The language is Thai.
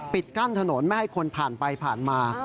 กั้นถนนไม่ให้คนผ่านไปผ่านมา